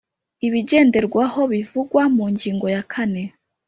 ibigenderwaho bivugwa mu ngingo ya kane